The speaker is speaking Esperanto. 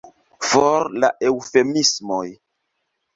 For la eŭfemismoj!